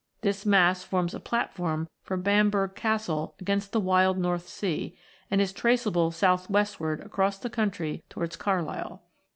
This mass forms a platform for Bamburgh Castle against the wild North Sea, and is traceable south westward across the country towards Carlisle.